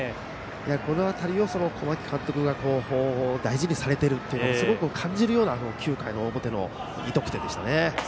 この辺りを小牧監督が大事にされているってすごく感じるような９回表の２得点でしたね。